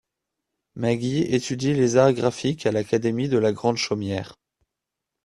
Maggie étudie les arts graphiques à l'Académie de la Grande Chaumière.